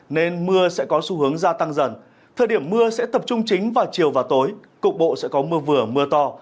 nên mưa sẽ có xu hướng gia tăng dần thời điểm mưa sẽ tập trung chính vào chiều và tối cục bộ sẽ có mưa vừa mưa to